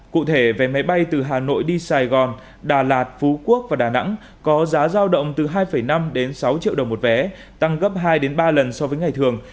cụ thể vé máy bay từ hà nội đi sài gòn đà lạt phú quốc và đà nẵng có giá giao động từ hai năm đến sáu triệu đồng một vé tăng gấp hai ba lần so với ngày thường